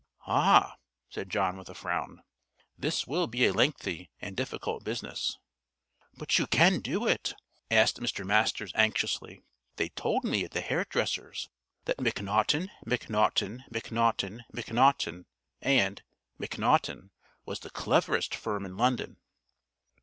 "Ha!" said John, with a frown. "This will be a lengthy and difficult business." "But you can do it?" asked Mr. Masters anxiously. "They told me at the hairdresser's that Macnaughton, Macnaughton, Macnaughton, Macnaughton & Macnaughton was the cleverest firm in London."